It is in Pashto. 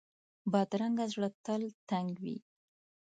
بدرنګه زړه تل تنګ وي